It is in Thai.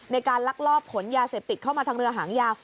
ลักลอบขนยาเสพติดเข้ามาทางเรือหางยาว